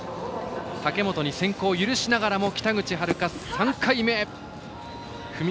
武本に先行を許しながらも北口榛花３回目。